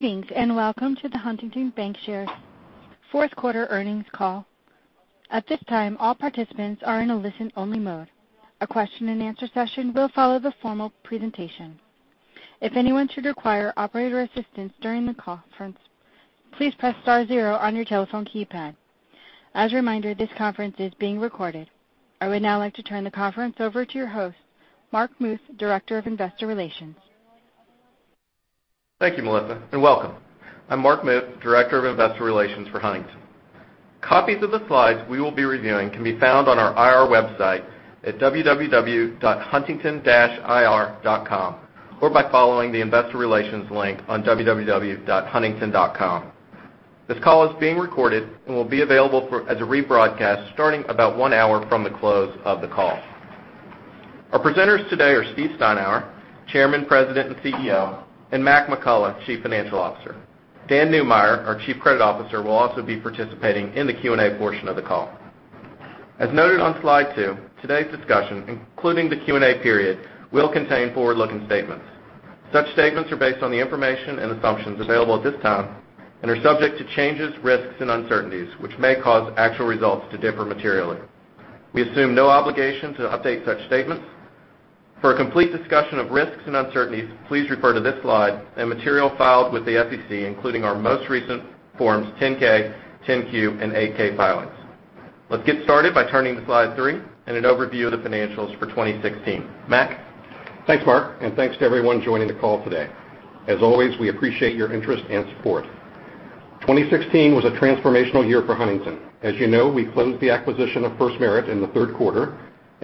Thanks, welcome to the Huntington Bancshares fourth quarter earnings call. At this time, all participants are in a listen only mode. A question and answer session will follow the formal presentation. If anyone should require operator assistance during the conference, please press star zero on your telephone keypad. As a reminder, this conference is being recorded. I would now like to turn the conference over to your host, Mark Muth, Director of Investor Relations. Thank you, Melissa, welcome. I'm Mark Muth, Director of Investor Relations for Huntington. Copies of the slides we will be reviewing can be found on our IR website at www.huntington-ir.com or by following the investor relations link on www.huntington.com. This call is being recorded and will be available as a rebroadcast starting about one hour from the close of the call. Our presenters today are Steve Steinour, Chairman, President, and CEO, and Mac McCullough, Chief Financial Officer. Dan Neumeyer, our Chief Credit Officer, will also be participating in the Q&A portion of the call. As noted on slide two, today's discussion, including the Q&A period, will contain forward-looking statements. Such statements are based on the information and assumptions available at this time and are subject to changes, risks, and uncertainties, which may cause actual results to differ materially. We assume no obligation to update such statements. For a complete discussion of risks and uncertainties, please refer to this slide and material filed with the SEC, including our most recent Forms 10-K, 10-Q, and 8-K filings. Let's get started by turning to slide three and an overview of the financials for 2016. Mac? Thanks, Mark, thanks to everyone joining the call today. As always, we appreciate your interest and support. 2016 was a transformational year for Huntington. As you know, we closed the acquisition of FirstMerit in the third quarter,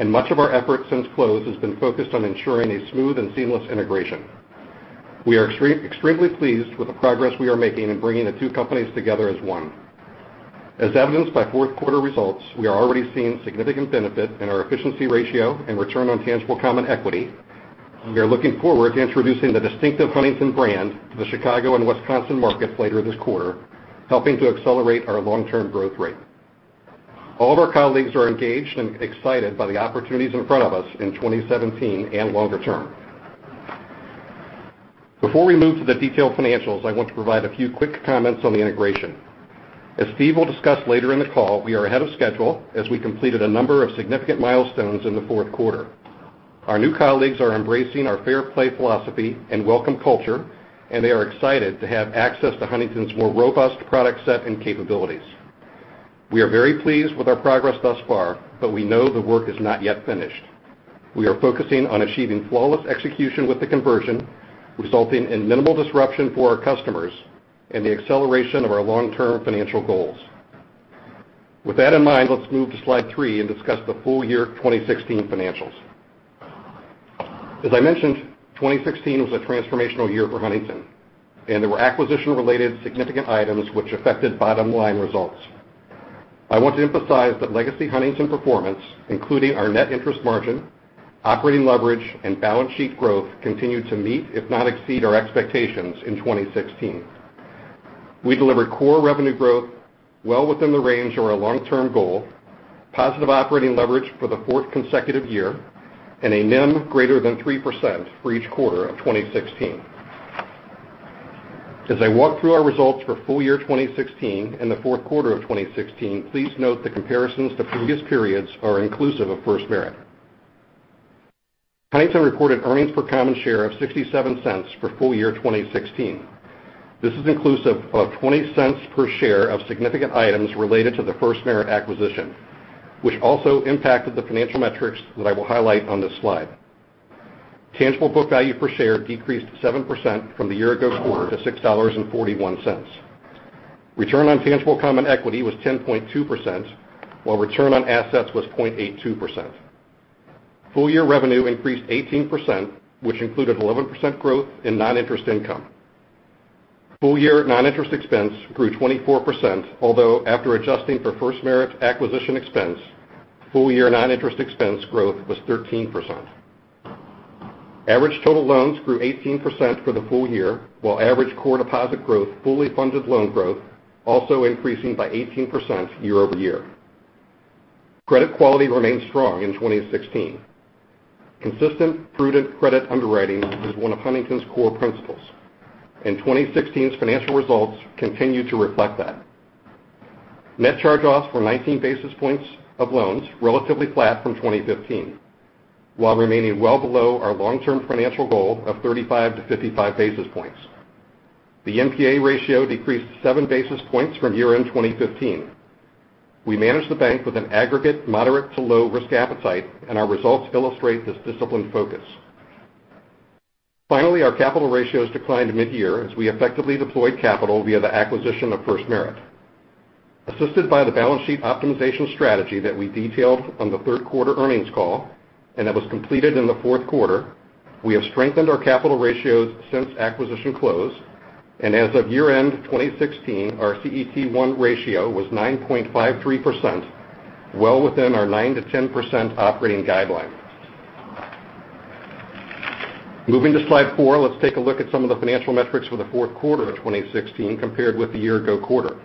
much of our effort since close has been focused on ensuring a smooth and seamless integration. We are extremely pleased with the progress we are making in bringing the two companies together as one. As evidenced by fourth quarter results, we are already seeing significant benefit in our efficiency ratio and return on tangible common equity. We are looking forward to introducing the distinctive Huntington brand to the Chicago and Wisconsin markets later this quarter, helping to accelerate our long-term growth rate. All of our colleagues are engaged and excited by the opportunities in front of us in 2017 and longer term. Before we move to the detailed financials, I want to provide a few quick comments on the integration. As Steve will discuss later in the call, we are ahead of schedule as we completed a number of significant milestones in the fourth quarter. Our new colleagues are embracing our fair play philosophy and welcome culture, and they are excited to have access to Huntington's more robust product set and capabilities. We are very pleased with our progress thus far. We know the work is not yet finished. We are focusing on achieving flawless execution with the conversion, resulting in minimal disruption for our customers and the acceleration of our long-term financial goals. With that in mind, let's move to slide three and discuss the full year 2016 financials. As I mentioned, 2016 was a transformational year for Huntington. There were acquisition-related significant items which affected bottom-line results. I want to emphasize that legacy Huntington performance, including our net interest margin, operating leverage, and balance sheet growth, continued to meet, if not exceed, our expectations in 2016. We delivered core revenue growth well within the range of our long-term goal, positive operating leverage for the fourth consecutive year, and a NIM greater than 3% for each quarter of 2016. As I walk through our results for full year 2016 and the fourth quarter of 2016, please note the comparisons to previous periods are inclusive of FirstMerit. Huntington reported earnings per common share of $0.67 for full year 2016. This is inclusive of $0.20 per share of significant items related to the FirstMerit acquisition, which also impacted the financial metrics that I will highlight on this slide. Tangible book value per share decreased 7% from the year-ago quarter to $6.41. Return on tangible common equity was 10.2%, while return on assets was 0.82%. Full year revenue increased 18%, which included 11% growth in non-interest income. Full year non-interest expense grew 24%, although after adjusting for FirstMerit acquisition expense, full year non-interest expense growth was 13%. Average total loans grew 18% for the full year, while average core deposit growth, fully funded loan growth, also increasing by 18% year-over-year. Credit quality remained strong in 2016. Consistent, prudent credit underwriting is one of Huntington's core principles. 2016's financial results continue to reflect that. Net charge-offs were 19 basis points of loans, relatively flat from 2015, while remaining well below our long-term financial goal of 35 to 55 basis points. The NPA ratio decreased seven basis points from year-end 2015. We manage the bank with an aggregate moderate to low risk appetite. Our results illustrate this disciplined focus. Finally, our capital ratios declined mid-year as we effectively deployed capital via the acquisition of FirstMerit. Assisted by the balance sheet optimization strategy that we detailed on the third quarter earnings call and that was completed in the fourth quarter, we have strengthened our capital ratios since acquisition close. As of year-end 2016, our CET1 ratio was 9.53%, well within our 9%-10% operating guideline. Moving to slide four, let's take a look at some of the financial metrics for the fourth quarter of 2016 compared with the year-ago quarter.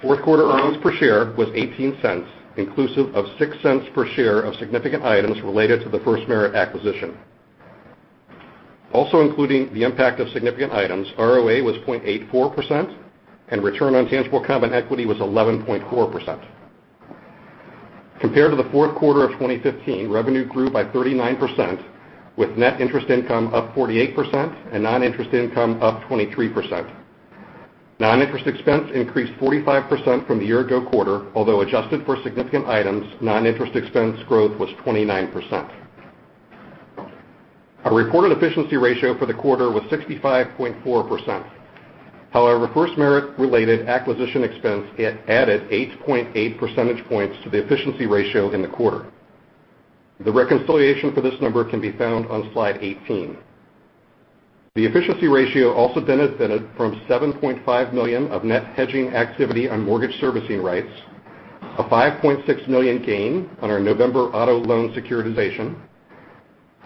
Fourth quarter earnings per share was $0.18, inclusive of $0.06 per share of significant items related to the FirstMerit acquisition. Also including the impact of significant items, ROA was 0.84%. Return on tangible common equity was 11.4%. Compared to the fourth quarter of 2015, revenue grew by 39%, with net interest income up 48% and non-interest income up 23%. Non-interest expense increased 45% from the year ago quarter, although adjusted for significant items, non-interest expense growth was 29%. Our reported efficiency ratio for the quarter was 65.4%. However, FirstMerit-related acquisition expense added 8.8 percentage points to the efficiency ratio in the quarter. The reconciliation for this number can be found on slide 18. The efficiency ratio also benefited from $7.5 million of net hedging activity on mortgage servicing rights, a $5.6 million gain on our November auto loan securitization,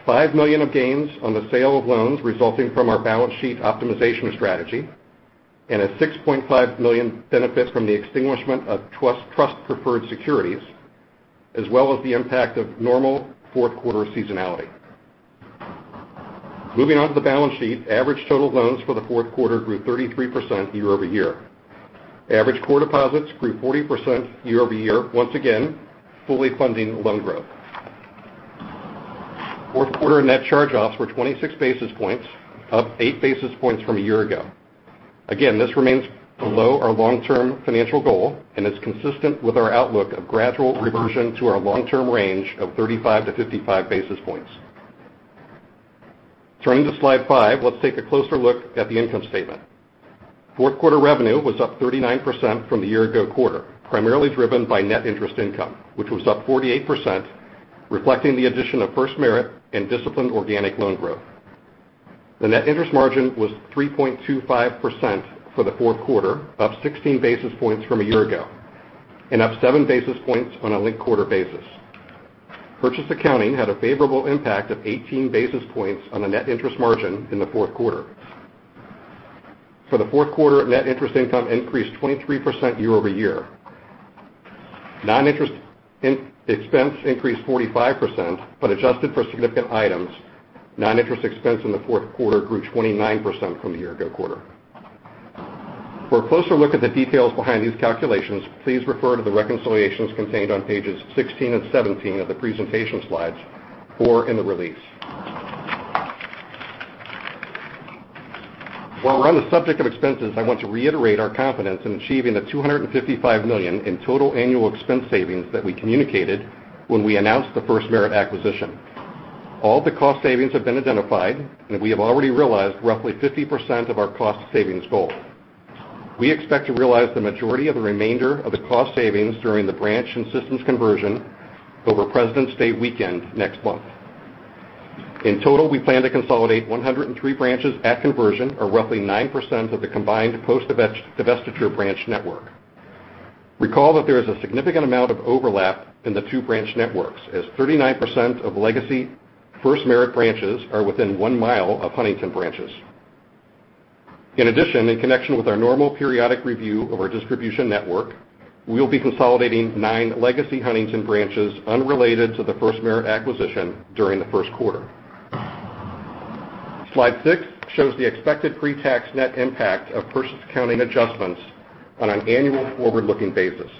$5 million of gains on the sale of loans resulting from our balance sheet optimization strategy, and a $6.5 million benefit from the extinguishment of trust preferred securities, as well as the impact of normal fourth quarter seasonality. Moving on to the balance sheet, average total loans for the fourth quarter grew 33% year-over-year. Average core deposits grew 40% year-over-year, once again, fully funding loan growth. Fourth quarter net charge-offs were 26 basis points, up eight basis points from a year ago. This remains below our long-term financial goal and is consistent with our outlook of gradual reversion to our long-term range of 35 to 55 basis points. Turning to Slide 5, let's take a closer look at the income statement. Fourth quarter revenue was up 39% from the year ago quarter, primarily driven by net interest income, which was up 48%, reflecting the addition of FirstMerit and disciplined organic loan growth. The net interest margin was 3.25% for the fourth quarter, up 16 basis points from a year ago, and up seven basis points on a linked quarter basis. Purchase accounting had a favorable impact of 18 basis points on the net interest margin in the fourth quarter. For the fourth quarter, net interest income increased 23% year-over-year. Non-interest expense increased 45%, but adjusted for significant items, non-interest expense in the fourth quarter grew 29% from the year ago quarter. For a closer look at the details behind these calculations, please refer to the reconciliations contained on pages 16 and 17 of the presentation slides or in the release. While we're on the subject of expenses, I want to reiterate our confidence in achieving the $255 million in total annual expense savings that we communicated when we announced the FirstMerit acquisition. All the cost savings have been identified, and we have already realized roughly 50% of our cost savings goal. We expect to realize the majority of the remainder of the cost savings during the branch and systems conversion over Presidents' Day weekend next month. In total, we plan to consolidate 103 branches at conversion, or roughly 9% of the combined post-divestiture branch network. Recall that there is a significant amount of overlap in the two branch networks, as 39% of legacy FirstMerit branches are within one mile of Huntington branches. In addition, in connection with our normal periodic review of our distribution network, we will be consolidating nine legacy Huntington branches unrelated to the FirstMerit acquisition during the first quarter. Slide six shows the expected pre-tax net impact of purchase accounting adjustments on an annual forward-looking basis.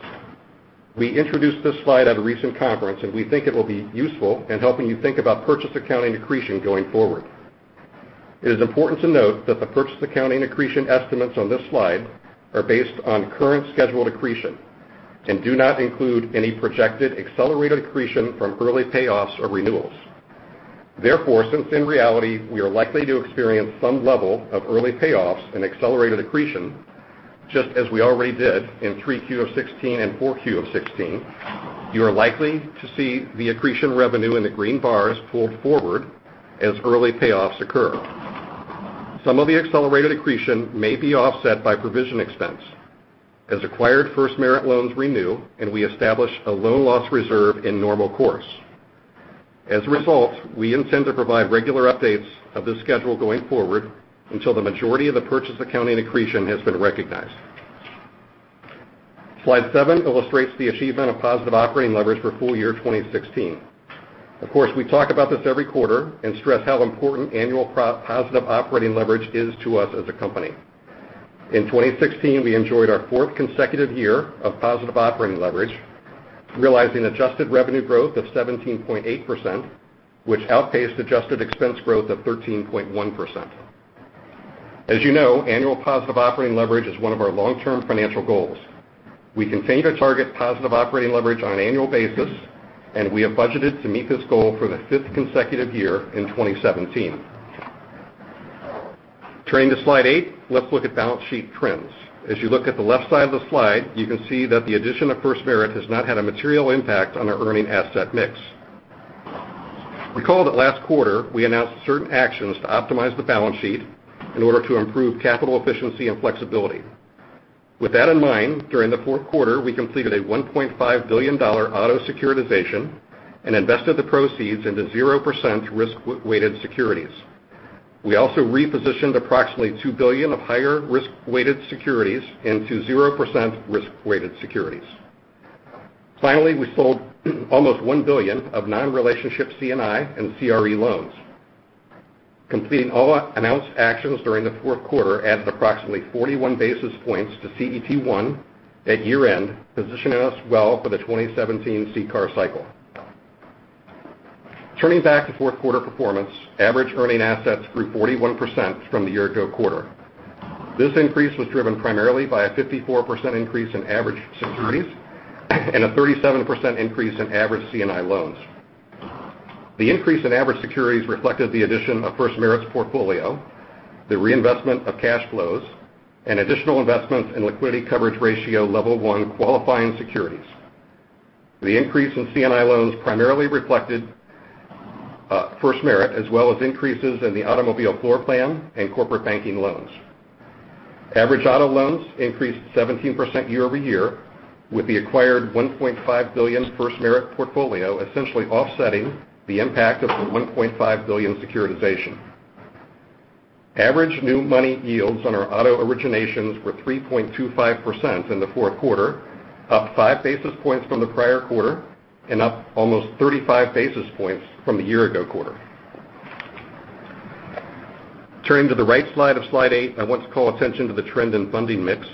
We introduced this slide at a recent conference, and we think it will be useful in helping you think about purchase accounting accretion going forward. It is important to note that the purchase accounting accretion estimates on this slide are based on current scheduled accretion and do not include any projected accelerated accretion from early payoffs or renewals. Since in reality, we are likely to experience some level of early payoffs and accelerated accretion, just as we already did in Q3 2016 and Q4 2016, you are likely to see the accretion revenue in the green bars pulled forward as early payoffs occur. Some of the accelerated accretion may be offset by provision expense as acquired FirstMerit loans renew and we establish a loan loss reserve in normal course. We intend to provide regular updates of this schedule going forward until the majority of the purchase accounting accretion has been recognized. Slide seven illustrates the achievement of positive operating leverage for full year 2016. We talk about this every quarter and stress how important annual positive operating leverage is to us as a company. In 2016, we enjoyed our fourth consecutive year of positive operating leverage, realizing adjusted revenue growth of 17.8%, which outpaced adjusted expense growth of 13.1%. Annual positive operating leverage is one of our long-term financial goals. We continue to target positive operating leverage on an annual basis, and we have budgeted to meet this goal for the fifth consecutive year in 2017. Turning to Slide eight, let's look at balance sheet trends. As you look at the left side of the slide, you can see that the addition of FirstMerit has not had a material impact on our earning asset mix. Recall that last quarter, we announced certain actions to optimize the balance sheet in order to improve capital efficiency and flexibility. During the fourth quarter, we completed a $1.5 billion auto securitization and invested the proceeds into 0% risk-weighted securities. We also repositioned approximately $2 billion of higher risk-weighted securities into 0% risk-weighted securities. We sold almost $1 billion of non-relationship C&I and CRE loans. Completing all announced actions during the fourth quarter added approximately 41 basis points to CET1 at year-end, positioning us well for the 2017 CCAR cycle. Average earning assets grew 41% from the year-ago quarter. This increase was driven primarily by a 54% increase in average securities and a 37% increase in average C&I loans. The increase in average securities reflected the addition of FirstMerit's portfolio, the reinvestment of cash flows, and additional investments in liquidity coverage ratio Level 1 qualifying securities. The increase in C&I loans primarily reflected FirstMerit, as well as increases in the automobile floor plan and corporate banking loans. Average auto loans increased 17% year-over-year, with the acquired $1.5 billion FirstMerit portfolio essentially offsetting the impact of the $1.5 billion securitization. Average new money yields on our auto originations were 3.25% in the fourth quarter, up five basis points from the prior quarter and up almost 35 basis points from the year-ago quarter. Turning to the right slide of Slide eight, I want to call attention to the trend in funding mix,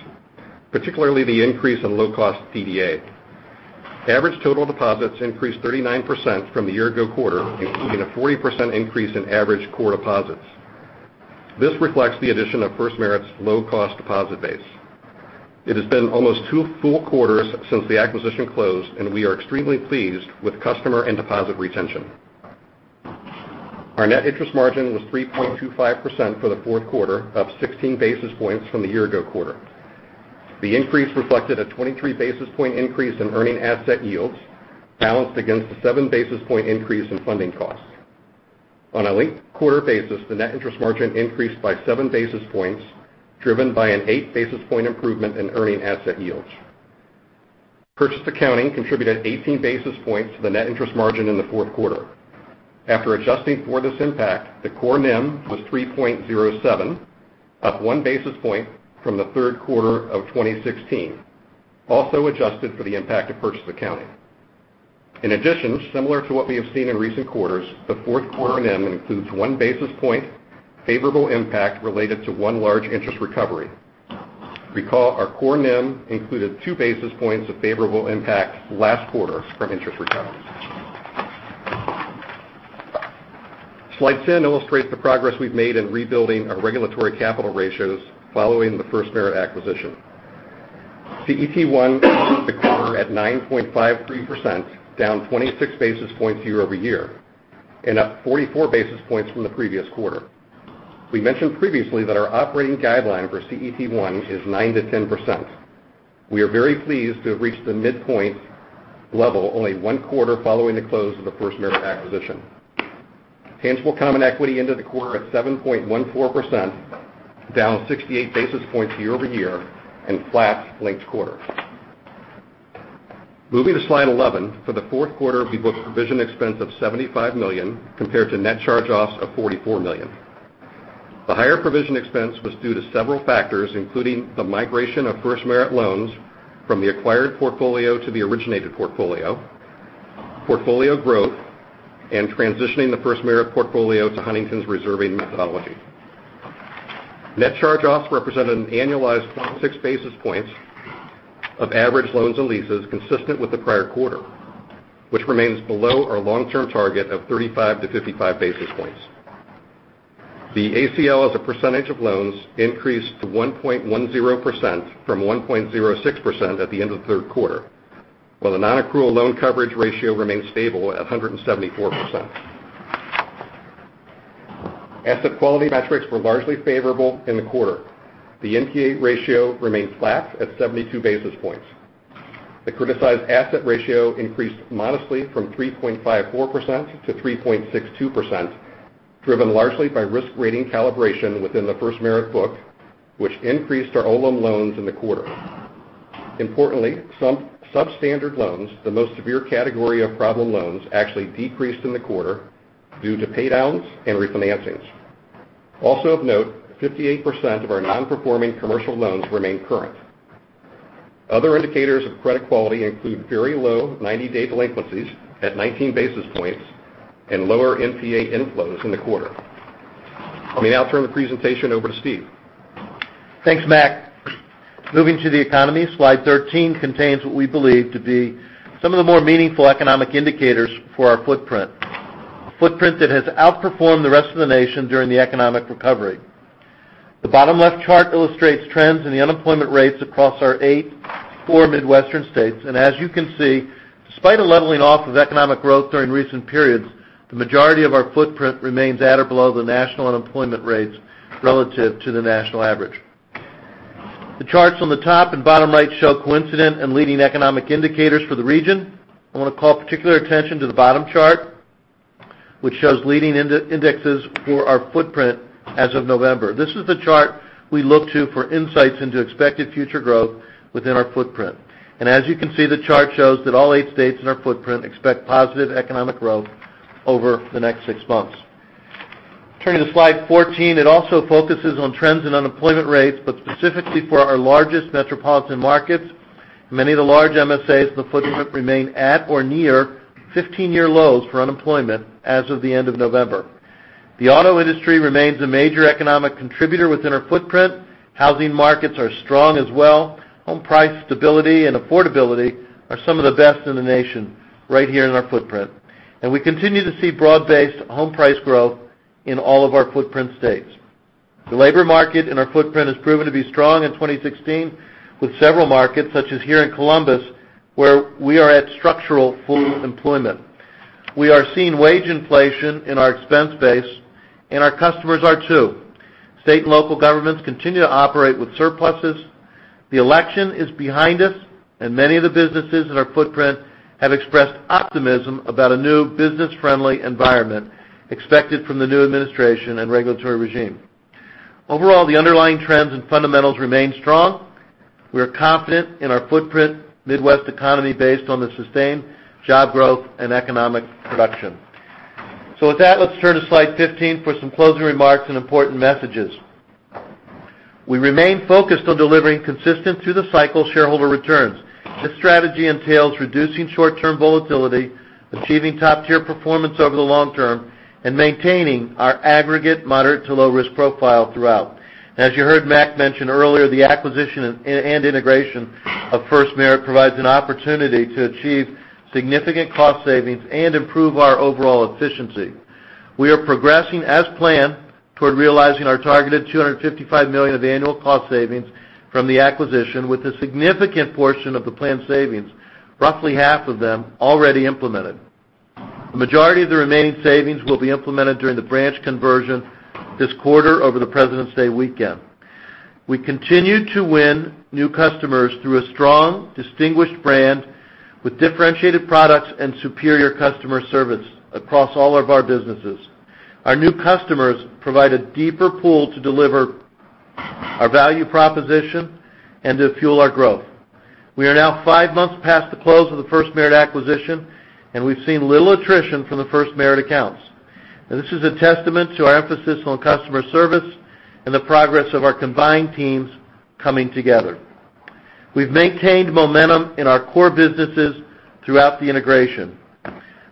particularly the increase in low-cost DDA. Average total deposits increased 39% from the year-ago quarter, including a 40% increase in average core deposits. This reflects the addition of FirstMerit's low-cost deposit base. It has been almost two full quarters since the acquisition closed, and we are extremely pleased with customer and deposit retention. Our net interest margin was 3.25% for the fourth quarter, up 16 basis points from the year-ago quarter. The increase reflected a 23-basis point increase in earning asset yields, balanced against a seven-basis point increase in funding costs. On a linked-quarter basis, the net interest margin increased by seven basis points, driven by an eight-basis point improvement in earning asset yields. Purchase accounting contributed 18 basis points to the net interest margin in the fourth quarter. After adjusting for this impact, the core NIM was 3.07%, up one basis point from the third quarter of 2016, also adjusted for the impact of purchase accounting. In addition, similar to what we have seen in recent quarters, the fourth quarter NIM includes one basis point favorable impact related to one large interest recovery. Recall, our core NIM included two basis points of favorable impact last quarter from interest recovery. Slide 10 illustrates the progress we've made in rebuilding our regulatory capital ratios following the FirstMerit acquisition. CET1 ended the quarter at 9.53%, down 26 basis points year-over-year, and up 44 basis points from the previous quarter. We mentioned previously that our operating guideline for CET1 is 9%-10%. We are very pleased to have reached the midpoint level only one quarter following the close of the FirstMerit acquisition. Tangible common equity ended the quarter at 7.14%, down 68 basis points year-over-year and flat linked-quarter. Moving to Slide 11, for the fourth quarter, we booked provision expense of $75 million, compared to net charge-offs of $44 million. The higher provision expense was due to several factors, including the migration of FirstMerit loans from the acquired portfolio to the originated portfolio growth, and transitioning the FirstMerit portfolio to Huntington's reserving methodology. Net charge-offs represented an annualized 26 basis points of average loans and leases consistent with the prior quarter, which remains below our long-term target of 35-55 basis points. The ACL as a percentage of loans increased to 1.10% from 1.06% at the end of the third quarter, while the non-accrual loan coverage ratio remains stable at 174%. Asset quality metrics were largely favorable in the quarter. The NPA ratio remains flat at 72 basis points. The criticized asset ratio increased modestly from 3.54%-3.62%, driven largely by risk rating calibration within the FirstMerit book, which increased our OLEM loans in the quarter. Importantly, substandard loans, the most severe category of problem loans, actually decreased in the quarter due to paydowns and refinancings. Also of note, 58% of our non-performing commercial loans remain current. Other indicators of credit quality include very low 90-day delinquencies at 19 basis points and lower NPA inflows in the quarter. Let me now turn the presentation over to Steve. Thanks, Mac. Moving to the economy, slide 13 contains what we believe to be some of the more meaningful economic indicators for our footprint. A footprint that has outperformed the rest of the nation during the economic recovery. The bottom left chart illustrates trends in the unemployment rates across our eight core Midwestern states. As you can see, despite a leveling off of economic growth during recent periods, the majority of our footprint remains at or below the national unemployment rates relative to the national average. The charts on the top and bottom right show coincident and leading economic indicators for the region. I want to call particular attention to the bottom chart, which shows leading indexes for our footprint as of November. This is the chart we look to for insights into expected future growth within our footprint. As you can see, the chart shows that all eight states in our footprint expect positive economic growth over the next six months. Turning to slide 14, it also focuses on trends in unemployment rates, but specifically for our largest metropolitan markets. Many of the large MSAs in the footprint remain at or near 15-year lows for unemployment as of the end of November. The auto industry remains a major economic contributor within our footprint. Housing markets are strong as well. Home price stability and affordability are some of the best in the nation right here in our footprint, and we continue to see broad-based home price growth in all of our footprint states. The labor market in our footprint has proven to be strong in 2016, with several markets, such as here in Columbus, where we are at structural full employment. We are seeing wage inflation in our expense base. Our customers are too. State and local governments continue to operate with surpluses. The election is behind us. Many of the businesses in our footprint have expressed optimism about a new business-friendly environment expected from the new administration and regulatory regime. Overall, the underlying trends and fundamentals remain strong. We are confident in our footprint Midwest economy based on the sustained job growth and economic production. With that, let's turn to slide 15 for some closing remarks and important messages. We remain focused on delivering consistent through-the-cycle shareholder returns. This strategy entails reducing short-term volatility, achieving top-tier performance over the long term, and maintaining our aggregate moderate to low risk profile throughout. As you heard Mac mention earlier, the acquisition and integration of FirstMerit provides an opportunity to achieve significant cost savings and improve our overall efficiency. We are progressing as planned toward realizing our targeted $255 million of annual cost savings from the acquisition, with a significant portion of the planned savings, roughly half of them, already implemented. The majority of the remaining savings will be implemented during the branch conversion this quarter over the Presidents' Day weekend. We continue to win new customers through a strong, distinguished brand with differentiated products and superior customer service across all of our businesses. Our new customers provide a deeper pool to deliver our value proposition and to fuel our growth. We are now five months past the close of the FirstMerit acquisition. We've seen little attrition from the FirstMerit accounts. This is a testament to our emphasis on customer service and the progress of our combined teams coming together. We've maintained momentum in our core businesses throughout the integration.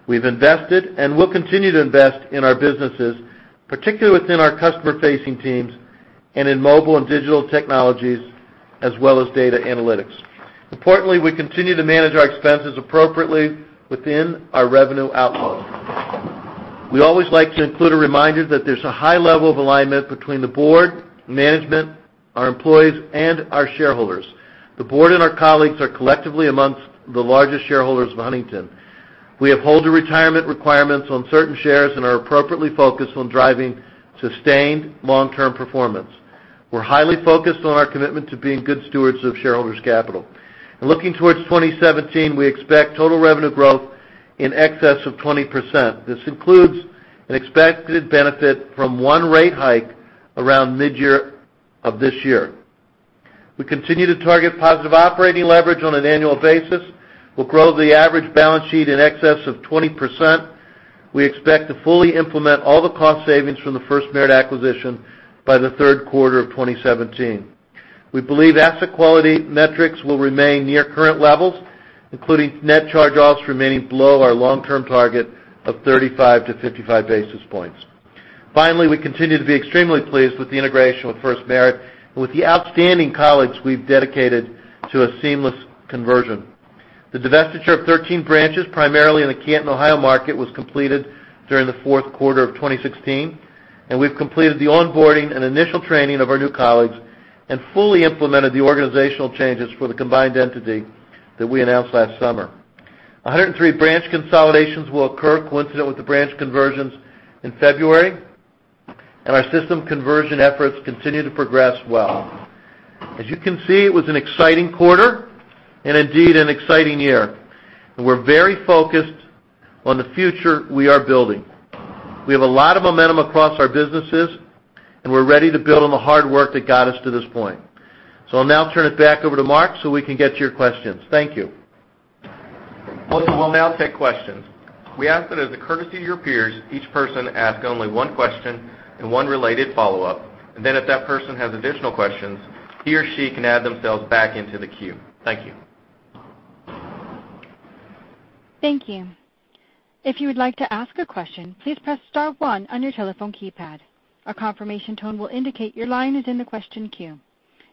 We've invested and will continue to invest in our businesses, particularly within our customer-facing teams and in mobile and digital technologies, as well as data analytics. Importantly, we continue to manage our expenses appropriately within our revenue outlook. We always like to include a reminder that there's a high level of alignment between the board, management, our employees, and our shareholders. The board and our colleagues are collectively amongst the largest shareholders of Huntington. We uphold the retirement requirements on certain shares and are appropriately focused on driving sustained long-term performance. We're highly focused on our commitment to being good stewards of shareholders' capital. Looking towards 2017, we expect total revenue growth in excess of 20%. This includes an expected benefit from one rate hike around mid-year of this year. We continue to target positive operating leverage on an annual basis. We'll grow the average balance sheet in excess of 20%. We expect to fully implement all the cost savings from the FirstMerit acquisition by the third quarter of 2017. We believe asset quality metrics will remain near current levels, including net charge-offs remaining below our long-term target of 35 to 55 basis points. Finally, we continue to be extremely pleased with the integration with FirstMerit and with the outstanding colleagues we've dedicated to a seamless conversion. The divestiture of 13 branches, primarily in the Canton, Ohio market, was completed during the fourth quarter of 2016, and we've completed the onboarding and initial training of our new colleagues and fully implemented the organizational changes for the combined entity that we announced last summer. 103 branch consolidations will occur coincident with the branch conversions in February, and our system conversion efforts continue to progress well. As you can see, it was an exciting quarter and indeed an exciting year, and we're very focused on the future we are building. We have a lot of momentum across our businesses, and we're ready to build on the hard work that got us to this point. I'll now turn it back over to Mark so we can get to your questions. Thank you. We'll now take questions. We ask that as a courtesy to your peers, each person ask only one question and one related follow-up. If that person has additional questions, he or she can add themselves back into the queue. Thank you. Thank you. If you would like to ask a question, please press star one on your telephone keypad. A confirmation tone will indicate your line is in the question queue.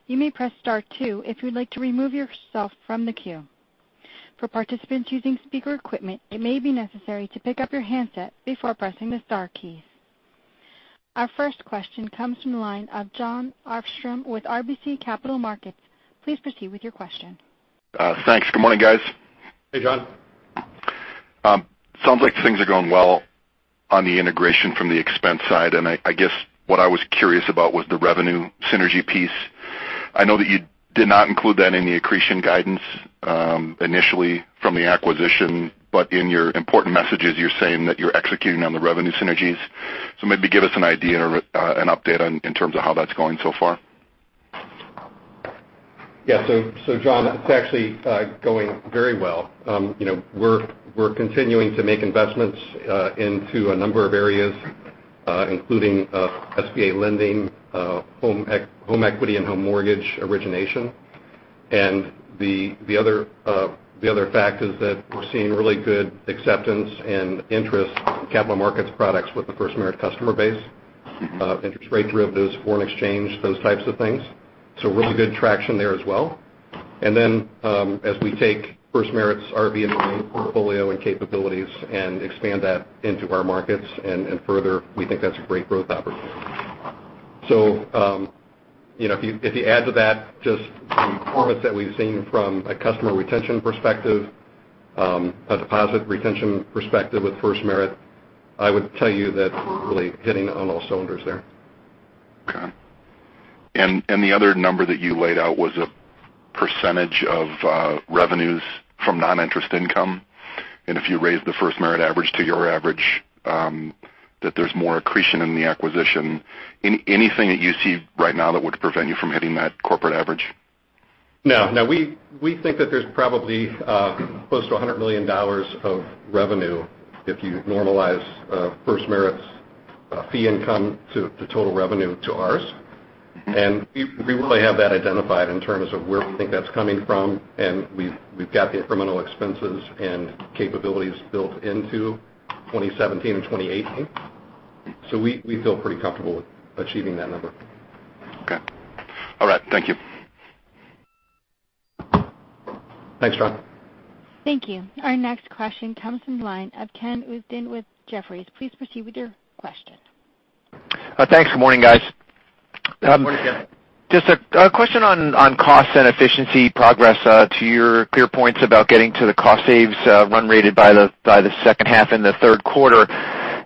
You may press star two if you would like to remove yourself from the queue. For participants using speaker equipment, it may be necessary to pick up your handset before pressing the star keys. Our first question comes from the line of Jon Arfstrom with RBC Capital Markets. Please proceed with your question. Thanks. Good morning, guys. Hey, Jon. Sounds like things are going well on the integration from the expense side, and I guess what I was curious about was the revenue synergy piece. I know that you did not include that in the accretion guidance initially from the acquisition, but in your important messages, you're saying that you're executing on the revenue synergies. Maybe give us an idea or an update in terms of how that's going so far. Yeah. Jon, it's actually going very well. We're continuing to make investments into a number of areas including SBA lending, home equity, and home mortgage origination. The other fact is that we're seeing really good acceptance and interest in capital markets products with the FirstMerit customer base, interest rate derivatives, foreign exchange, those types of things. Really good traction there as well. As we take FirstMerit's RV and marine portfolio and capabilities and expand that into our markets and further, we think that's a great growth opportunity. If you add to that just the performance that we've seen from a customer retention perspective, a deposit retention perspective with FirstMerit, I would tell you that's really hitting on all cylinders there. Okay. The other number that you laid out was a % of revenues from non-interest income. If you raise the FirstMerit average to your average, that there's more accretion in the acquisition. Anything that you see right now that would prevent you from hitting that corporate average? No. We think that there's probably close to $100 million of revenue if you normalize FirstMerit's fee income to the total revenue to ours. We really have that identified in terms of where we think that's coming from, and we've got the incremental expenses and capabilities built into 2017 and 2018. We feel pretty comfortable with achieving that number. Okay. All right. Thank you. Thanks, Jon. Thank you. Our next question comes from the line of Ken Usdin with Jefferies. Please proceed with your question. Thanks. Good morning, guys. Good morning, Ken. Just a question on cost and efficiency progress to your peer points about getting to the cost saves run rated by the second half and the third quarter,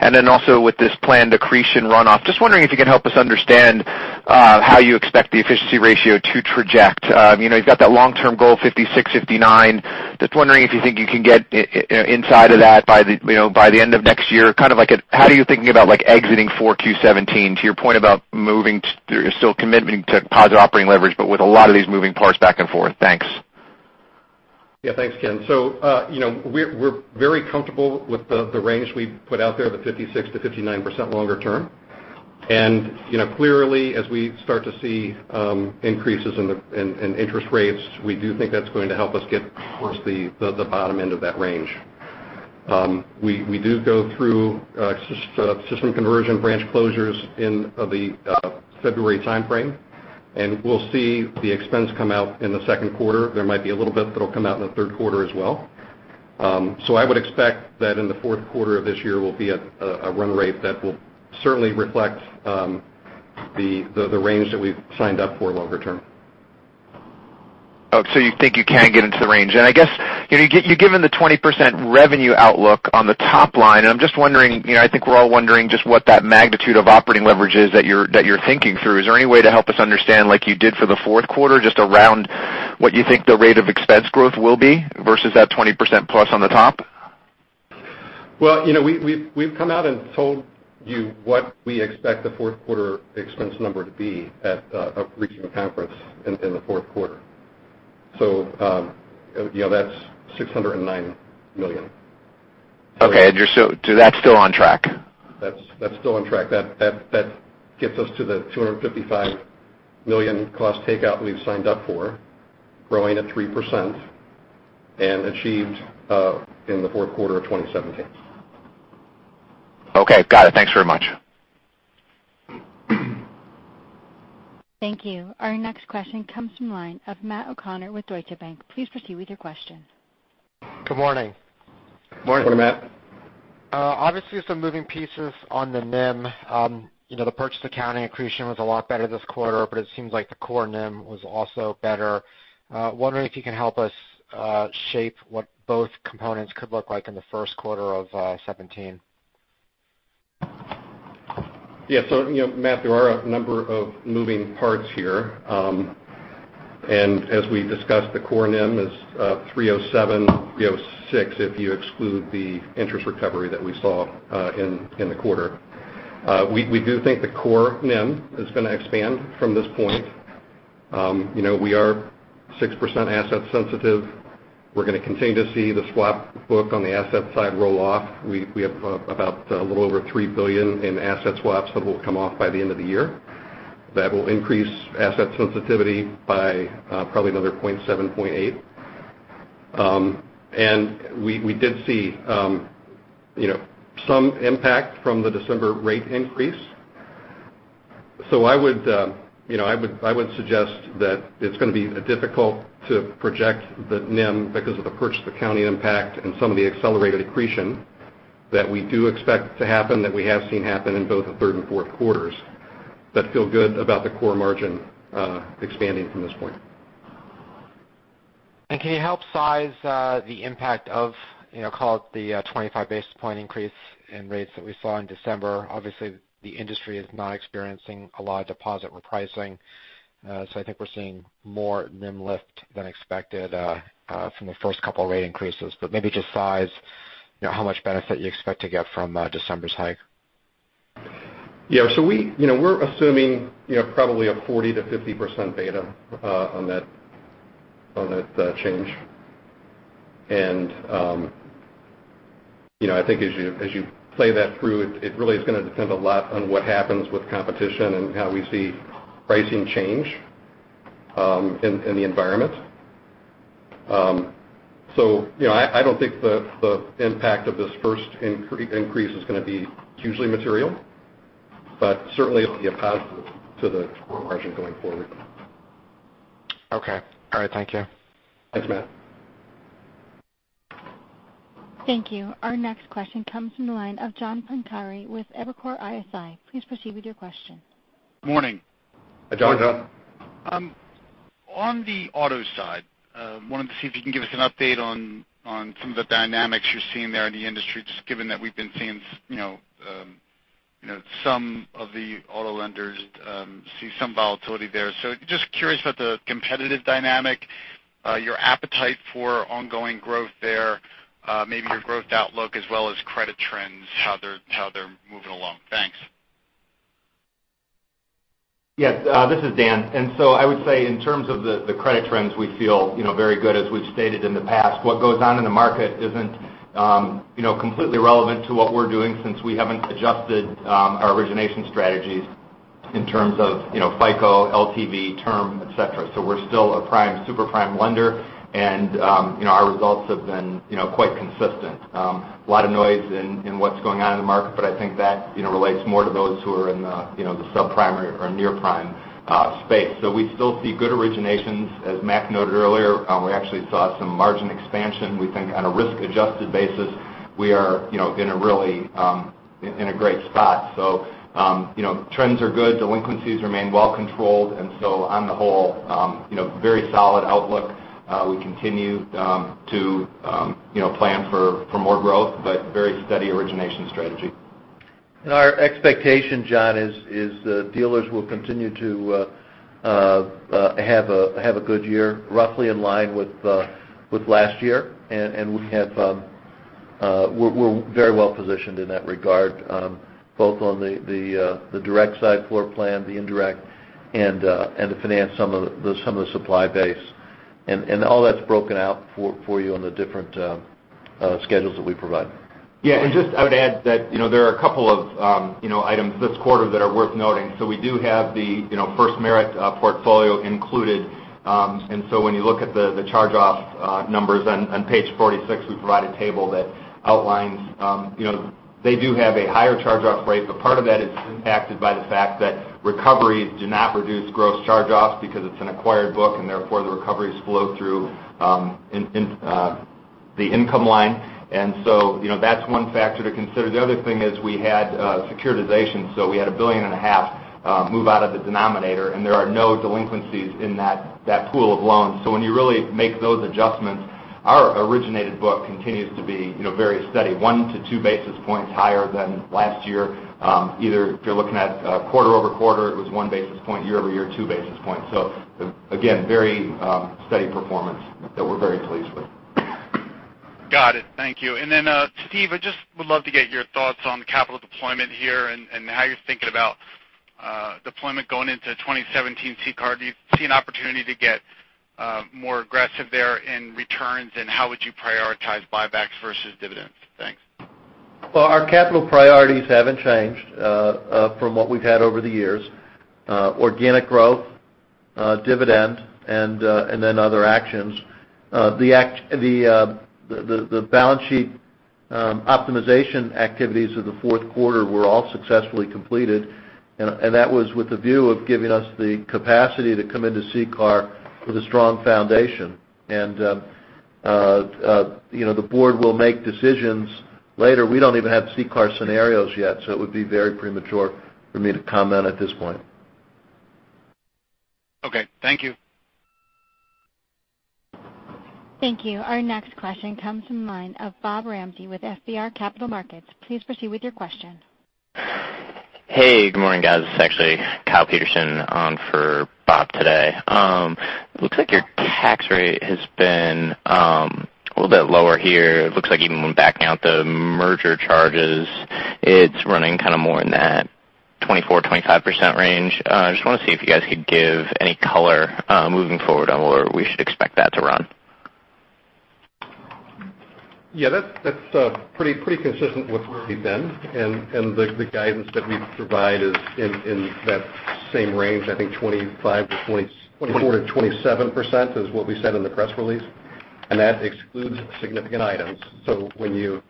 and then also with this planned accretion runoff. Just wondering if you can help us understand how you expect the efficiency ratio to traject. You've got that long-term goal, 56%, 59%. Just wondering if you think you can get inside of that by the end of next year. How are you thinking about exiting 4Q 2017, to your point about still committing to positive operating leverage, but with a lot of these moving parts back and forth? Thanks. Yeah. Thanks, Ken. We're very comfortable with the range we put out there of the 56% to 59% longer term. Clearly, as we start to see increases in interest rates, we do think that's going to help us get towards the bottom end of that range. We do go through system conversion branch closures in the February timeframe, and we'll see the expense come out in the second quarter. There might be a little bit that'll come out in the third quarter as well. I would expect that in the fourth quarter of this year will be a run rate that will certainly reflect the range that we've signed up for longer term. Oh, you think you can get into the range. I guess, you've given the 20% revenue outlook on the top line, and I'm just wondering, I think we're all wondering just what that magnitude of operating leverage is that you're thinking through. Is there any way to help us understand, like you did for the fourth quarter, just around what you think the rate of expense growth will be versus that 20% plus on the top? Well, we've come out and told you what we expect the fourth quarter expense number to be at our regional conference in the fourth quarter. That's $609 million. Okay. That's still on track? That's still on track. That gets us to the $255 million cost takeout we've signed up for, growing at 3% and achieved in the fourth quarter of 2017. Okay, got it. Thanks very much. Thank you. Our next question comes from the line of Matt O'Connor with Deutsche Bank. Please proceed with your question. Good morning. Morning. Morning, Matt. Obviously, some moving pieces on the NIM. The purchase accounting accretion was a lot better this quarter, but it seems like the core NIM was also better. Wondering if you can help us shape what both components could look like in the first quarter of 2017. Yeah. Matt, there are a number of moving parts here. As we discussed, the core NIM is 307, 306 if you exclude the interest recovery that we saw in the quarter. We do think the core NIM is going to expand from this point. We are 6% asset sensitive. We're going to continue to see the swap book on the asset side roll off. We have about a little over $3 billion in asset swaps that will come off by the end of the year. That will increase asset sensitivity by probably another 0.7, 0.8. We did see some impact from the December rate increase. I would suggest that it's going to be difficult to project the NIM because of the purchase accounting impact and some of the accelerated accretion that we do expect to happen, that we have seen happen in both the third and fourth quarters, but feel good about the core margin expanding from this point. Can you help size the impact of, call it, the 25-basis-point increase in rates that we saw in December? Obviously, the industry is not experiencing a lot of deposit repricing. I think we're seeing more NIM lift than expected from the first couple of rate increases. Maybe just size how much benefit you expect to get from December's hike. Yeah. We're assuming probably a 40%-50% beta on that change. I think as you play that through, it really is going to depend a lot on what happens with competition and how we see pricing change in the environment. I don't think the impact of this first increase is going to be hugely material, but certainly it will be a positive to the core margin going forward. Okay. All right. Thank you. Thanks, Matt. Thank you. Our next question comes from the line of John Pancari with Evercore ISI. Please proceed with your question. Morning. Hi, John. On the auto side, wanted to see if you can give us an update on some of the dynamics you're seeing there in the industry, just given that we've been seeing some of the auto lenders see some volatility there. Just curious about the competitive dynamic, your appetite for ongoing growth there, maybe your growth outlook, as well as credit trends, how they're moving along. Thanks. Yes. This is Dan. I would say in terms of the credit trends, we feel very good, as we've stated in the past. What goes on in the market isn't completely relevant to what we're doing since we haven't adjusted our origination strategies in terms of FICO, LTV, term, et cetera. We're still a super prime lender, and our results have been quite consistent. A lot of noise in what's going on in the market, but I think that relates more to those who are in the sub-prime or near-prime space. We still see good originations. As Mac noted earlier, we actually saw some margin expansion. We think on a risk-adjusted basis, we are in a great spot. Trends are good. Delinquencies remain well controlled. On the whole, very solid outlook. We continue to plan for more growth, but very steady origination strategy. Our expectation, John, is the dealers will continue to have a good year, roughly in line with last year. We're very well positioned in that regard, both on the direct side floor plan, the indirect, and to finance some of the supply base. All that's broken out for you on the different schedules that we provide. I would add that there are a couple of items this quarter that are worth noting. We do have the FirstMerit portfolio included. When you look at the charge-off numbers on page 46, we provide a table that outlines, they do have a higher charge-off rate. Part of that is impacted by the fact that recoveries do not reduce gross charge-offs because it's an acquired book, and therefore, the recoveries flow through the income line. That's one factor to consider. The other thing is we had securitization. We had a billion and a half move out of the denominator, and there are no delinquencies in that pool of loans. When you really make those adjustments, our originated book continues to be very steady. One to two basis points higher than last year. Either if you're looking at quarter-over-quarter, it was one basis point. Year-over-year, two basis points. Again, very steady performance that we're very pleased with. Got it. Thank you. Steve, I just would love to get your thoughts on the capital deployment here and how you're thinking about deployment going into 2017 CCAR. Do you see an opportunity to get more aggressive there in returns, and how would you prioritize buybacks versus dividends? Thanks. Well, our capital priorities haven't changed from what we've had over the years. Organic growth, dividend, and then other actions. The balance sheet optimization activities of the fourth quarter were all successfully completed, and that was with the view of giving us the capacity to come into CCAR with a strong foundation. The board will make decisions later. We don't even have CCAR scenarios yet, it would be very premature for me to comment at this point. Okay. Thank you. Thank you. Our next question comes from the line of Bob Ramsey with FBR Capital Markets. Please proceed with your question. Hey, good morning, guys. This is actually Kyle Peterson on for Bob today. Looks like your tax rate has been a little bit lower here. It looks like even when backing out the merger charges, it's running kind of more in that 24%-25% range. I just want to see if you guys could give any color moving forward on where we should expect that to run. Yeah. That's pretty consistent with where we've been, the guidance that we provide is in that same range. I think 24%-27% is what we said in the press release. That excludes significant items. When you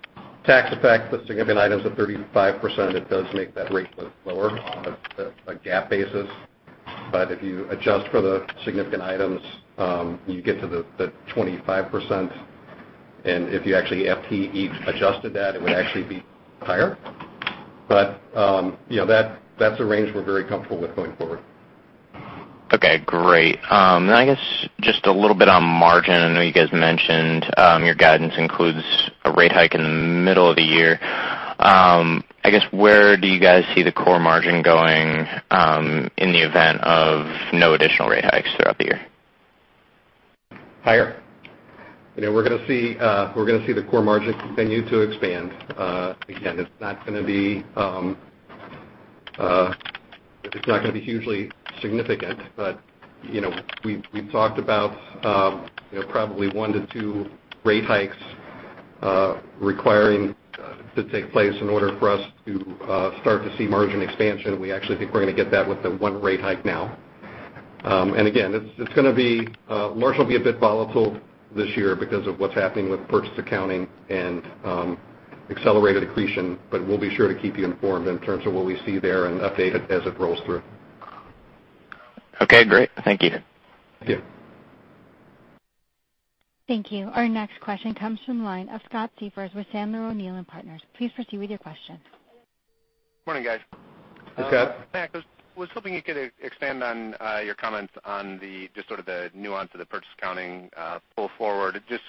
tax effect the significant items of 35%, it does make that rate look lower on a GAAP basis. If you adjust for the significant items, you get to the 25%. If you actually FTE adjusted that, it would actually be higher. That's a range we're very comfortable with going forward. Okay. Great. I guess just a little bit on margin. I know you guys mentioned your guidance includes a rate hike in the middle of the year. I guess where do you guys see the core margin going in the event of no additional rate hikes throughout the year? Higher. We're going to see the core margin continue to expand. Again, it's not going to be hugely significant, but we've talked about probably one to two rate hikes requiring to take place in order for us to start to see margin expansion. We actually think we're going to get that with the one rate hike now. Again, the margin will be a bit volatile this year because of what's happening with purchase accounting and accelerated accretion, but we'll be sure to keep you informed in terms of what we see there and update it as it rolls through. Okay, great. Thank you. Thank you. Thank you. Our next question comes from the line of Scott Siefers with Sandler O'Neill & Partners. Please proceed with your question. Morning, guys. Hey, Scott. Mac, I was hoping you could expand on your comments on just sort of the nuance of the purchase accounting pull forward. Just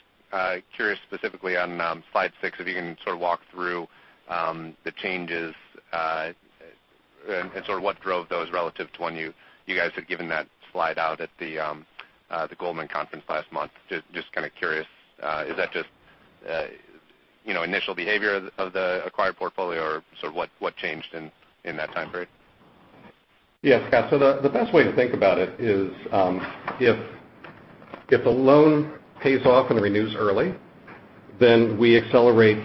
curious specifically on slide six, if you can sort of walk through the changes and sort of what drove those relative to when you guys had given that slide out at the Goldman Sachs conference last month. Just kind of curious, is that just initial behavior of the acquired portfolio, or sort of what changed in that time period? Yeah, Scott. The best way to think about it is if the loan pays off and renews early, then we accelerate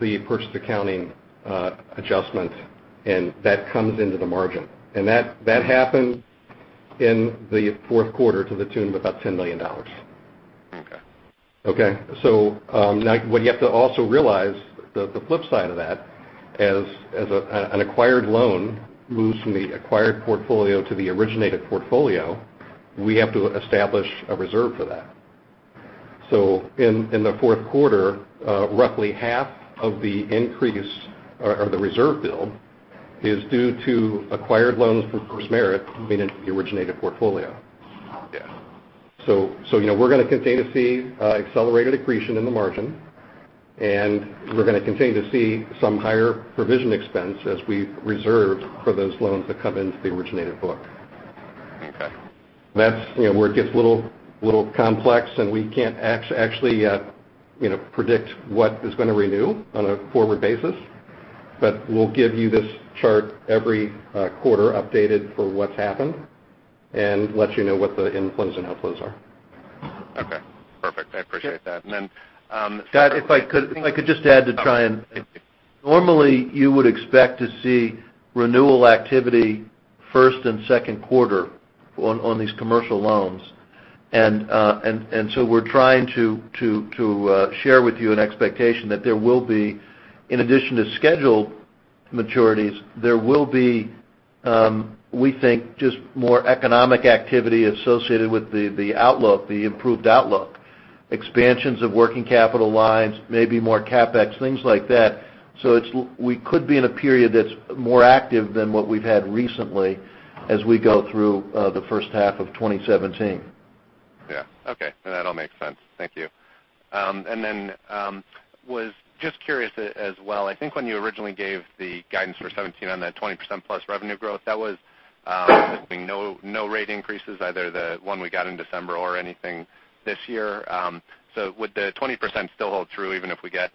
the purchase accounting adjustment, and that comes into the margin. That happened in the fourth quarter to the tune of about $10 million. Okay. Now what you have to also realize the flip side of that, as an acquired loan moves from the acquired portfolio to the originated portfolio, we have to establish a reserve for that. In the fourth quarter, roughly half of the increase or the reserve build is due to acquired loans from FirstMerit moving into the originated portfolio. Yeah. We're going to continue to see accelerated accretion in the margin, and we're going to continue to see some higher provision expense as we reserve for those loans that come into the originated book. Okay. That's where it gets a little complex, and we can't actually predict what is going to renew on a forward basis. We'll give you this chart every quarter updated for what's happened and let you know what the inflows and outflows are. Okay, perfect. I appreciate that. Scott, if I could just add, normally, you would expect to see renewal activity first and second quarter on these commercial loans. We are trying to share with you an expectation that there will be, in addition to scheduled maturities, there will be, we think, just more economic activity associated with the outlook, the improved outlook. Expansions of working capital lines, maybe more CapEx, things like that. We could be in a period that is more active than what we have had recently as we go through the first half of 2017. Yeah. Okay. No, that all makes sense. Thank you. I was just curious as well. I think when you originally gave the guidance for 2017 on that 20%+ revenue growth, that was assuming no rate increases, either the one we got in December or anything this year. Would the 20% still hold true even if we get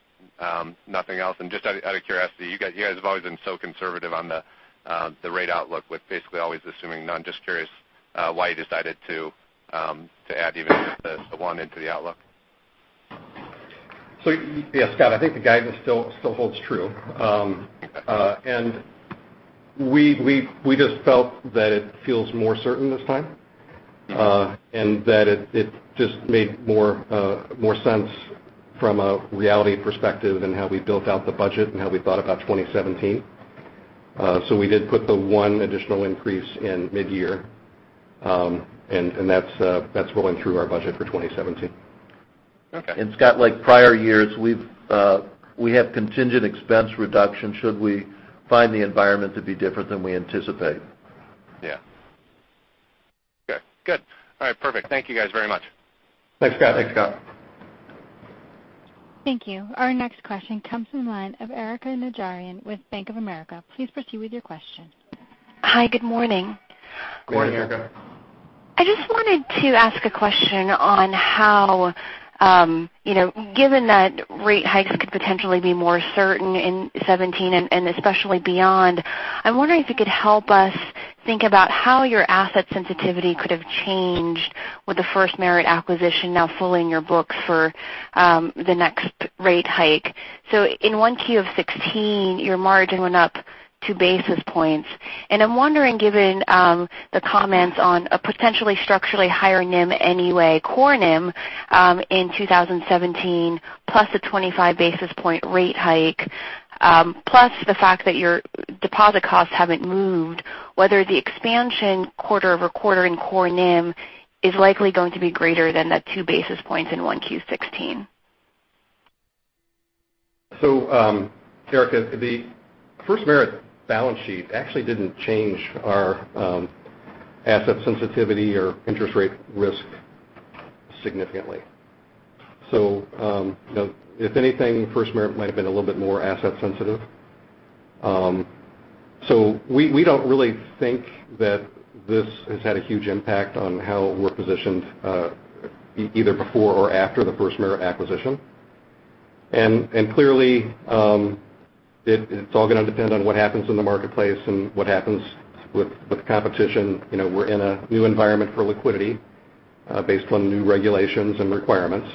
nothing else? Just out of curiosity, you guys have always been so conservative on the rate outlook with basically always assuming none. Just curious why you decided to add even just the one into the outlook. Yeah, Scott, I think the guidance still holds true. We just felt that it feels more certain this time. Yeah. That it just made more sense from a reality perspective in how we built out the budget and how we thought about 2017. We did put the one additional increase in mid-year, and that is rolling through our budget for 2017. Okay. Scott, like prior years, we have contingent expense reduction should we find the environment to be different than we anticipate. Yeah. Okay, good. All right, perfect. Thank you guys very much. Thanks, Scott. Thanks, Scott. Thank you. Our next question comes from the line of Erika Najarian with Bank of America. Please proceed with your question. Hi, good morning. Good morning, Erika. Good morning. I just wanted to ask a question on how given that rate hikes could potentially be more certain in 2017 and especially beyond, I'm wondering if you could help us think about how your asset sensitivity could have changed with the FirstMerit acquisition now fully in your books for the next rate hike. In 1Q of 2016, your margin went up two basis points, and I'm wondering, given the comments on a potentially structurally higher NIM anyway, core NIM in 2017 plus a 25 basis point rate hike, plus the fact that your deposit costs haven't moved, whether the expansion quarter-over-quarter in core NIM is likely going to be greater than the two basis points in 1Q 2016. Erika, the FirstMerit balance sheet actually didn't change our asset sensitivity or interest rate risk significantly. If anything, FirstMerit might have been a little bit more asset sensitive. We don't really think that this has had a huge impact on how we're positioned, either before or after the FirstMerit acquisition. Clearly, it's all going to depend on what happens in the marketplace and what happens with the competition. We're in a new environment for liquidity based on new regulations and requirements.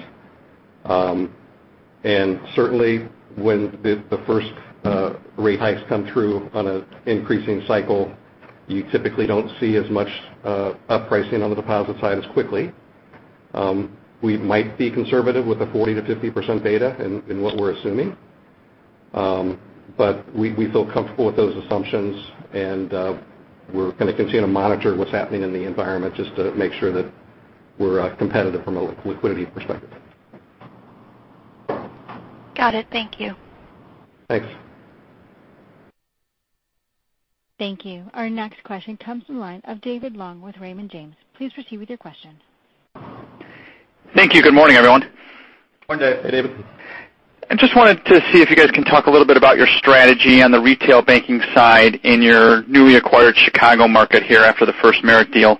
Certainly, when the first rate hikes come through on an increasing cycle, you typically don't see as much up-pricing on the deposit side as quickly. We might be conservative with a 40%-50% beta in what we're assuming. We feel comfortable with those assumptions, and we're going to continue to monitor what's happening in the environment just to make sure that we're competitive from a liquidity perspective. Got it. Thank you. Thanks. Thank you. Our next question comes from the line of David Long with Raymond James. Please proceed with your question. Thank you. Good morning, everyone. Morning, David. I just wanted to see if you guys can talk a little bit about your strategy on the retail banking side in your newly acquired Chicago market here after the FirstMerit deal.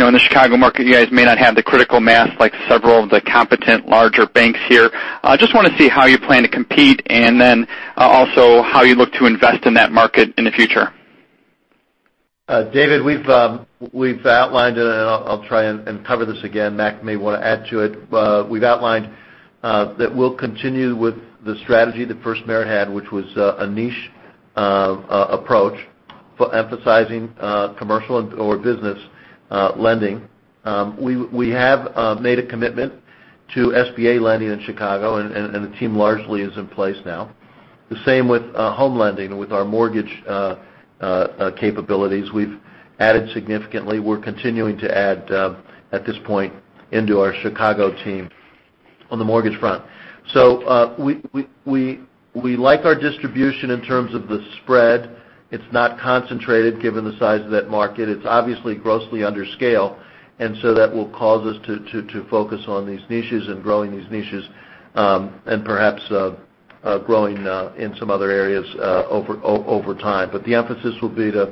In the Chicago market, you guys may not have the critical mass like several of the competitor larger banks here. Just want to see how you plan to compete, then also how you look to invest in that market in the future. David, we've outlined, and I'll try and cover this again. Mac may want to add to it. We've outlined that we'll continue with the strategy that FirstMerit had, which was a niche approach for emphasizing commercial or business lending. We have made a commitment to SBA lending in Chicago, and the team largely is in place now. The same with home lending and with our mortgage capabilities. We've added significantly. We're continuing to add, at this point, into our Chicago team on the mortgage front. We like our distribution in terms of the spread. It's not concentrated given the size of that market. It's obviously grossly under scale, that will cause us to focus on these niches and growing these niches, and perhaps growing in some other areas over time. The emphasis will be to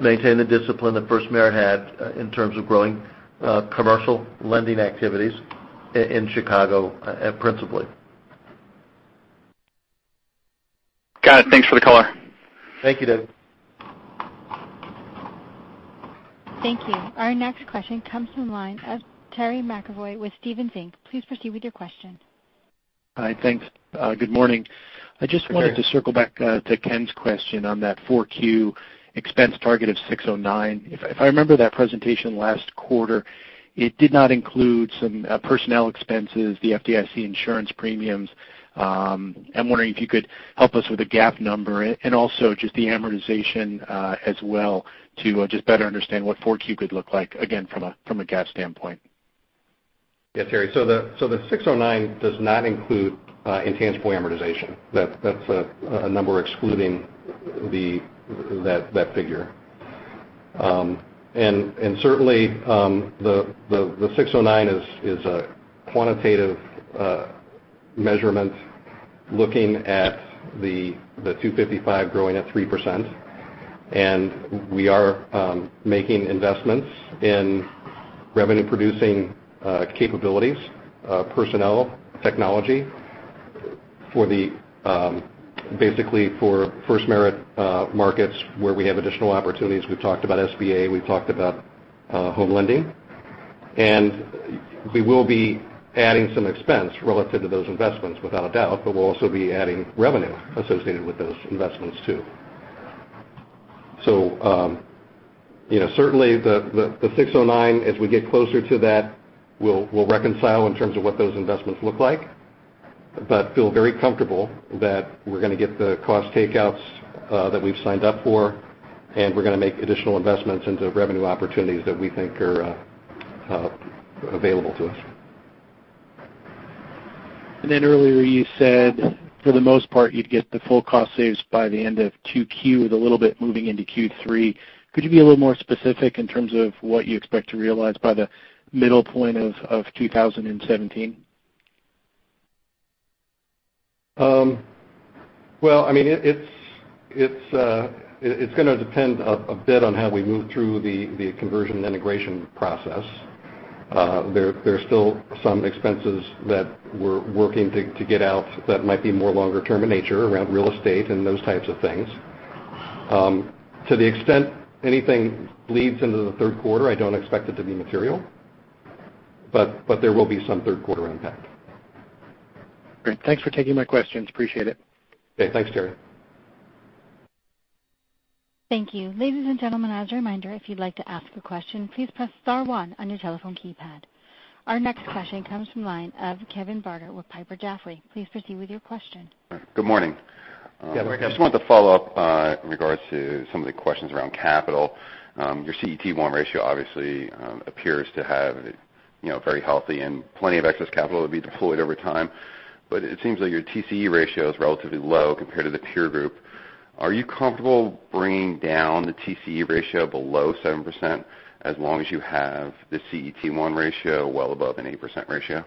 maintain the discipline that FirstMerit had in terms of growing commercial lending activities in Chicago principally. Got it. Thanks for the color. Thank you, David. Thank you. Our next question comes from the line of Terry McEvoy with Stephens Inc. Please proceed with your question. Hi. Thanks. Good morning. Good morning. I just wanted to circle back to Ken's question on that 4Q expense target of $609. If I remember that presentation last quarter, it did not include some personnel expenses, the FDIC insurance premiums. I'm wondering if you could help us with a GAAP number and also just the amortization as well to just better understand what 4Q could look like, again, from a GAAP standpoint. Yes, Terry. The 609 does not include intangible amortization. That's a number excluding that figure. Certainly, the 609 is a quantitative measurement looking at the 255 growing at 3%. We are making investments in revenue-producing capabilities, personnel, technology, basically for FirstMerit markets where we have additional opportunities. We've talked about SBA, we've talked about home lending. We will be adding some expense relative to those investments without a doubt, but we'll also be adding revenue associated with those investments, too. Certainly, the 609, as we get closer to that, we'll reconcile in terms of what those investments look like. Feel very comfortable that we're going to get the cost takeouts that we've signed up for, and we're going to make additional investments into revenue opportunities that we think are available to us. Earlier you said, for the most part, you'd get the full cost saves by the end of 2Q with a little bit moving into Q3. Could you be a little more specific in terms of what you expect to realize by the middle point of 2017? It's going to depend a bit on how we move through the conversion and integration process. There are still some expenses that we're working to get out that might be more longer term in nature around real estate and those types of things. To the extent anything bleeds into the third quarter, I don't expect it to be material. There will be some third quarter impact. Great. Thanks for taking my questions. Appreciate it. Okay. Thanks, Terry. Thank you. Ladies and gentlemen, as a reminder, if you'd like to ask a question, please press star one on your telephone keypad. Our next question comes from the line of Kevin Barker with Piper Jaffray. Please proceed with your question. Good morning. Yeah, hi Kevin. Just wanted to follow up in regards to some of the questions around capital. Your CET1 ratio obviously appears to have very healthy and plenty of excess capital to be deployed over time. It seems like your TCE ratio is relatively low compared to the peer group. Are you comfortable bringing down the TCE ratio below 7% as long as you have the CET1 ratio well above an 8% ratio?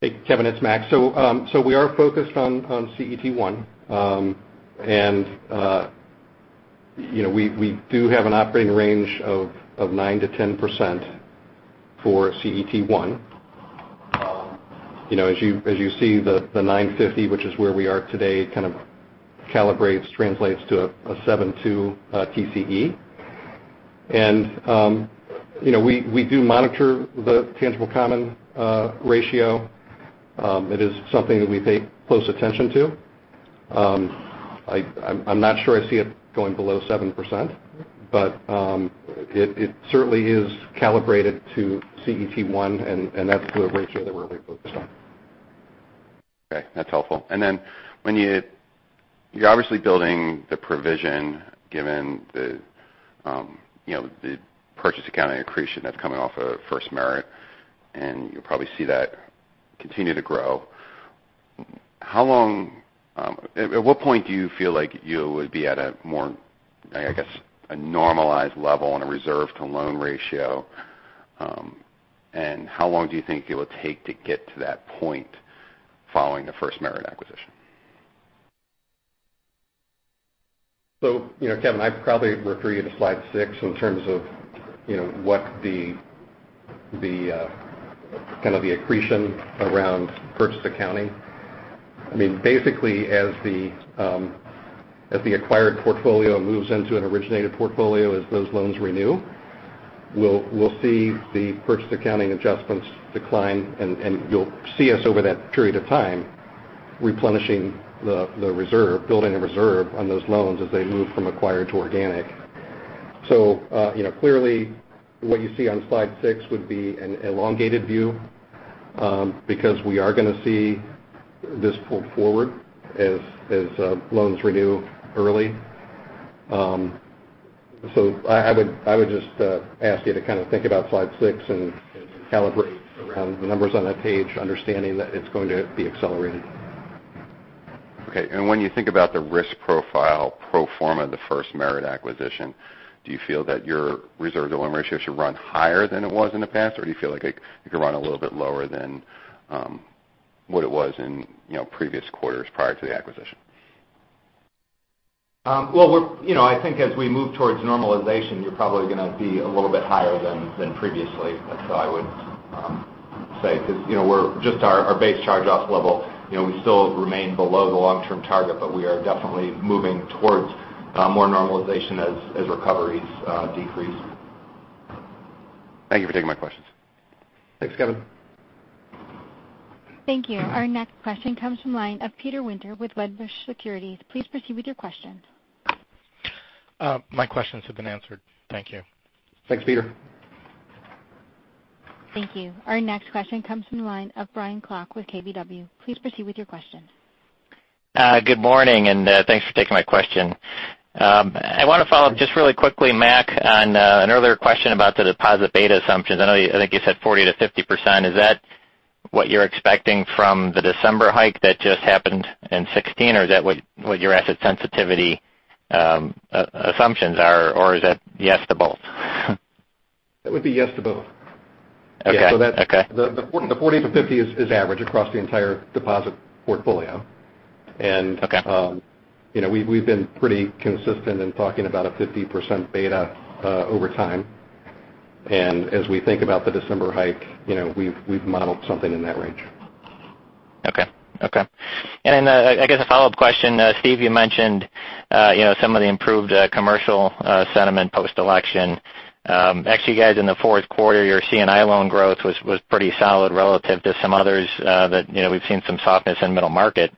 Hey, Kevin, it's Mac. We are focused on CET1. We do have an operating range of 9% to 10% for CET1. As you see, the 950, which is where we are today, kind of calibrates, translates to a 7.2 TCE. We do monitor the tangible common ratio. It is something that we pay close attention to. I'm not sure I see it going below 7%, it certainly is calibrated to CET1, and that's the ratio that we're really focused on. Okay, that's helpful. When you're obviously building the provision, given the purchase accounting accretion that's coming off of FirstMerit, and you'll probably see that continue to grow. At what point do you feel like you would be at a more, I guess, a normalized level on a reserve to loan ratio? How long do you think it will take to get to that point following the FirstMerit acquisition? Kevin, I'd probably refer you to slide six in terms of what the kind of the accretion around purchase accounting. I mean, basically, as the acquired portfolio moves into an originated portfolio, as those loans renew, we'll see the purchase accounting adjustments decline, and you'll see us over that period of time replenishing the reserve, building a reserve on those loans as they move from acquired to organic. Clearly, what you see on slide six would be an elongated view, because we are going to see this pulled forward as loans renew early. I would just ask you to kind of think about slide six and calibrate around the numbers on that page, understanding that it's going to be accelerated. Okay. When you think about the risk profile pro forma of the FirstMerit acquisition, do you feel that your reserve to loan ratio should run higher than it was in the past, or do you feel like it could run a little bit lower than what it was in previous quarters prior to the acquisition? Well, I think as we move towards normalization, you're probably going to be a little bit higher than previously. That's how I would say because just our base charge-offs level, we still remain below the long-term target, but we are definitely moving towards more normalization as recoveries decrease. Thank you for taking my questions. Thanks, Kevin. Thank you. Our next question comes from the line of Peter Winter with Wedbush Securities. Please proceed with your question. My questions have been answered. Thank you. Thanks, Peter. Thank you. Our next question comes from the line of Brian Klock with KBW. Please proceed with your question. Good morning, thanks for taking my question. I want to follow up just really quickly, Mac, on an earlier question about the deposit beta assumptions. I think you said 40%-50%. Is that what you're expecting from the December hike that just happened in 2016, or is that what your asset sensitivity assumptions are, or is that yes to both? That would be yes to both. Okay. The 40%-50% is average across the entire deposit portfolio. Okay. We've been pretty consistent in talking about a 50% beta over time. As we think about the December hike, we've modeled something in that range. Okay. I guess a follow-up question. Steve, you mentioned some of the improved commercial sentiment post-election. Actually, you guys, in the fourth quarter, your C&I loan growth was pretty solid relative to some others that we've seen some softness in middle market.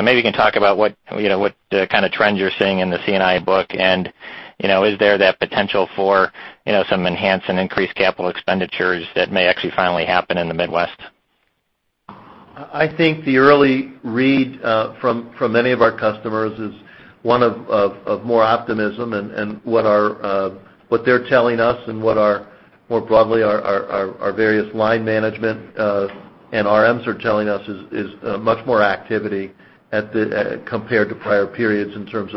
Maybe you can talk about what kind of trends you're seeing in the C&I book, and is there that potential for some enhanced and increased CapEx that may actually finally happen in the Midwest? I think the early read from many of our customers is one of more optimism and what they're telling us and what more broadly our various line management and RMs are telling us is much more activity compared to prior periods in terms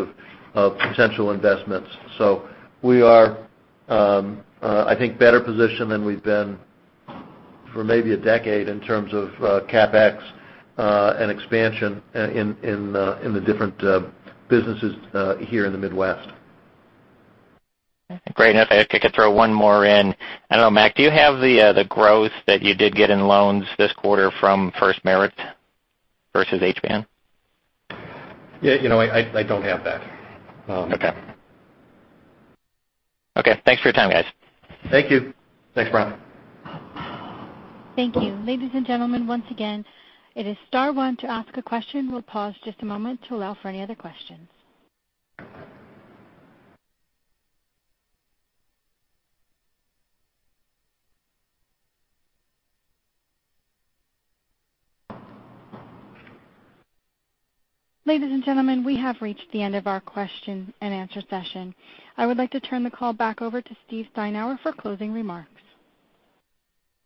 of potential investments. We are, I think, better positioned than we've been for maybe a decade in terms of CapEx and expansion in the different businesses here in the Midwest. Great. If I could throw one more in. I don't know, Mac, do you have the growth that you did get in loans this quarter from FirstMerit versus HBAN? I don't have that. Okay. Okay, thanks for your time, guys. Thank you. Thanks, Brian. Thank you. Ladies and gentlemen, once again, it is star one to ask a question. We will pause just a moment to allow for any other questions. Ladies and gentlemen, we have reached the end of our question and answer session. I would like to turn the call back over to Steve Steinour for closing remarks.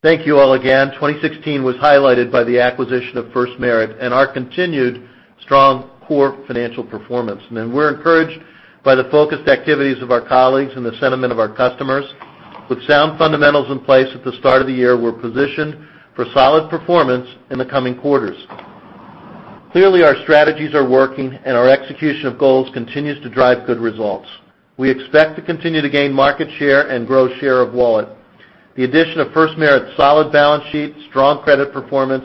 Thank you all again. 2016 was highlighted by the acquisition of FirstMerit and our continued strong core financial performance. We're encouraged by the focused activities of our colleagues and the sentiment of our customers. With sound fundamentals in place at the start of the year, we're positioned for solid performance in the coming quarters. Clearly, our strategies are working, and our execution of goals continues to drive good results. We expect to continue to gain market share and grow share of wallet. The addition of FirstMerit's solid balance sheet, strong credit performance,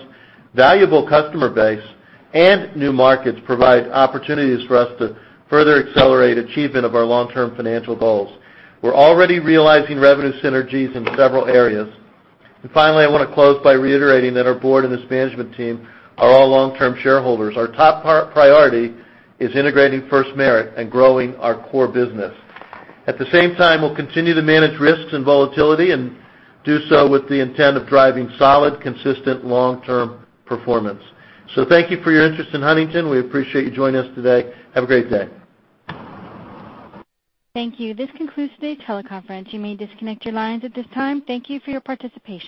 valuable customer base, and new markets provide opportunities for us to further accelerate achievement of our long-term financial goals. We're already realizing revenue synergies in several areas. Finally, I want to close by reiterating that our board and this management team are all long-term shareholders. Our top priority is integrating FirstMerit and growing our core business. At the same time, we'll continue to manage risks and volatility and do so with the intent of driving solid, consistent long-term performance. Thank you for your interest in Huntington. We appreciate you joining us today. Have a great day. Thank you. This concludes today's teleconference. You may disconnect your lines at this time. Thank you for your participation.